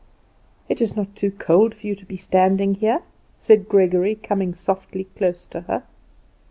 "Is it not too cold for you to be standing here?" said Gregory, coming softly close to her.